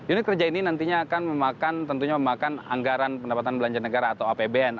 unit kerja ini nantinya akan memakan tentunya memakan anggaran pendapatan belanja negara atau apbn